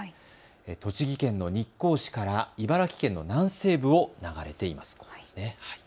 栃木県の日光市から茨城県の南西部を流れています。